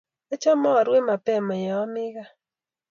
Achame arue mapema yoomi gaa